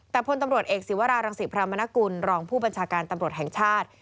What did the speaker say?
แต่พลตำรวจเอกศิวรารังศิพรามนกุลรองผู้บัญชาการตำรวจแห่งชาติ